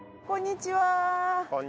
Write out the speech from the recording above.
こんにちは。